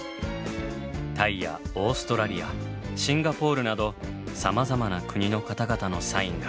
タイやオーストラリアシンガポールなどさまざまな国の方々のサインが。